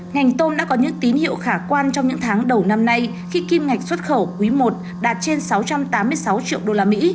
ngành tôm đã có những tín hiệu khả quan trong những tháng đầu năm nay khi kim ngạch xuất khẩu quý i đạt trên sáu trăm tám mươi sáu triệu usd